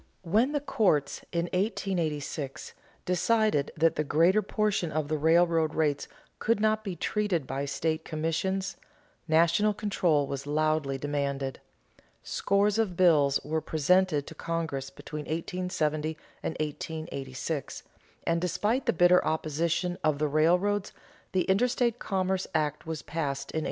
When the courts, in 1886, decided that the greater portion of the railroad rates could not be treated by state commissions, national control was loudly demanded. Scores of bills were presented to Congress between 1870 and 1886, and, despite the bitter opposition of the railroads, the Interstate Commerce Act was passed in 1887.